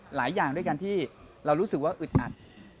หลายอย่างด้วยกันที่เรารู้สึกว่าอึดอัด